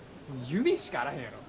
夢しかあらへんやろ。